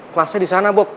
kelasnya di sana bob